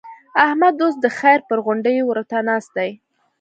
احمد اوس د خير پر غونډۍ ورته ناست دی.